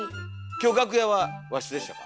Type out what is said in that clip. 今日楽屋は和室でしたか？